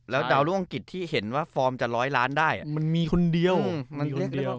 แล้วดาวรุ่งอังกฤษที่เห็นว่าจะร้อยล้านได้มันมีคนเดียวมีคนเดียว